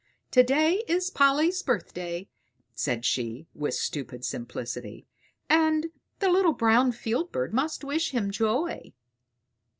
"To day is Polly's birthday," said she with stupid simplicity: "and the little brown field bird must wish him joy."